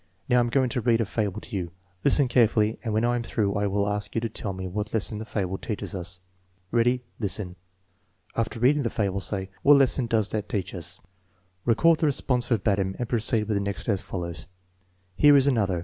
Now, I am going to read a fable to you. Listen carefully, and when I am through I will ask you to tell me what lesson the fable teaches us. Ready; listen.' 9 After reading the fable, say: " What lesson does that teach usP" Record the response verbatim and proceed with the next as follows: "Here is another.